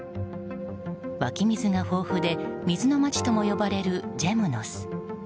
湧き水が豊富で水の町とも呼ばれるジェムノス。